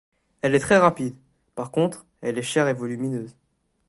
Elle est très rapide, par contre, elle est chère et volumineuse.